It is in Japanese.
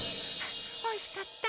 おいしかった。